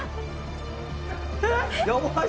やばい！